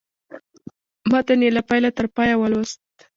متن یې له پیله تر پایه ولوست.